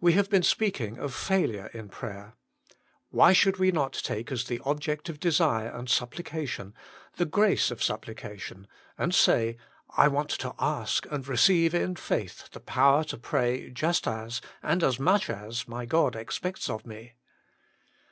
We have been speaking of failure in prayer ; why should we not take as the object of desire and supplication the "grace of supplication," and say, I want to ask and receive in faith the power to pray just as, and as much as, my God expects of me